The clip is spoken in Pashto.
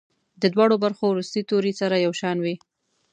د دواړو برخو وروستي توري سره یو شان وي.